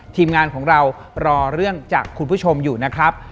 ทีมงานของเรารอเรื่องจากคุณผู้ชมอยู่นะครับ